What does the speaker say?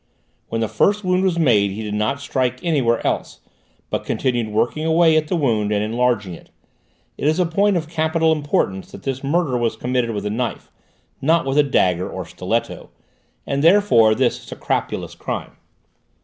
When the first wound was made he did not strike anywhere else, but continued working away at the wound and enlarging it. It is a point of capital importance that this murder was committed with a knife, not with a dagger or stiletto, and therefore this is a crapulous crime."